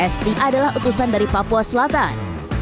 sd adalah utusan dari papua selatan